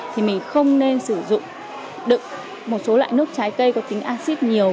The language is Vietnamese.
thì mình không nên sử dụng đựng một số loại nước trái cây có tính ancid nhiều